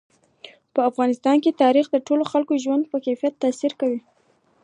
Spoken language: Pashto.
په افغانستان کې تاریخ د ټولو خلکو د ژوند په کیفیت تاثیر کوي.